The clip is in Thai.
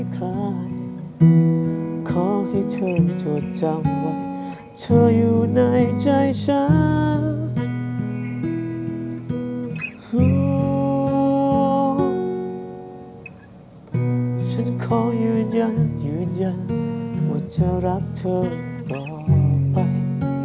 ฉันขอยืนยันยืนยันว่าจะรักเธอต่อไป